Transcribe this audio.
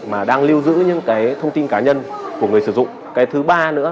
mà đang lưu giữ những thông tin cá nhân của người sử dụng